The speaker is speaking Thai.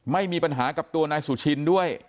ไม่มีปัญหากับตัวนายสุชินด้วย